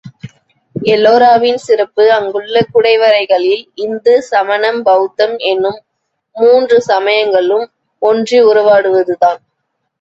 எல்லோராவின் சிறப்பு அங்குள்ள குடைவரைகளில் இந்து, சமணம், பௌத்தம் என்னும் மூன்று சமயங்களும் ஒன்றி உறவாடுவதுதான்.